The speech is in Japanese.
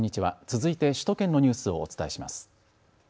続いて首都圏のニュースをお伝えします。